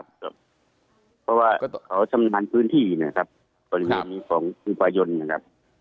เพราะว่าเขาสำนักพื้นที่นะครับตอนนี้ของผู้ผ่ายนนะครับ